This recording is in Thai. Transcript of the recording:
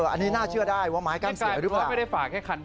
อันนี้น่าเชื่อได้แต่ว่าไม้กั้นเสียหรือเปล่า